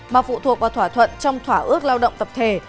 mà phụ thuộc vào thỏa thuận trong thỏa ước lao động tập thể